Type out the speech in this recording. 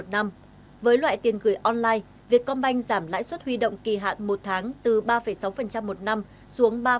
riêng a bank lãi suất tiền gửi kơ quan công an đã có mức lãi suất huy động kỳ hạn từ một mươi ba đến hai mươi bốn tháng giảm từ sáu ba một năm xuống còn sáu một một năm